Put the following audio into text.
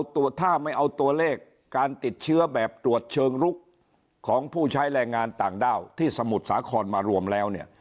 ถ้าไม่เอาตัวเลขการติดเชื้อแบบตรวจเชิงลุกของผู้ใช้แรงงานต่างด้าวที่สมุทรสาครมารวมแล้วเนี่ย